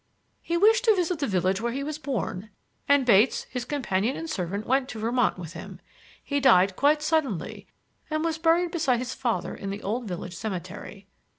"He wished to visit the village where he was born, and Bates, his companion and servant, went to Vermont with him. He died quite suddenly, and was buried beside his father in the old village cemetery.